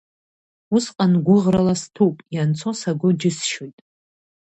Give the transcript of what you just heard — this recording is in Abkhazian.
Усҟан гәыӷрыла сҭәуп, ианцо саго џьысшьоит.